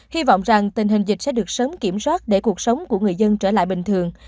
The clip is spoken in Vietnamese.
hy vọng rằng tình hình dịch sẽ được sớm kiểm soát để cuộc sống của người dân trở lại bình thường